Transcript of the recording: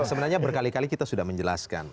sebenarnya berkali kali kita sudah menjelaskan